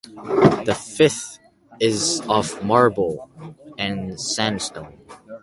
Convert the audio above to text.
The fifth is of marble and sandstone.